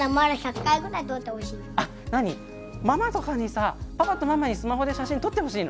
あなにママとかにさパパとママにスマホで写真撮ってほしいの？